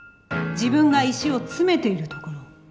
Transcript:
自分が石を詰めているところを。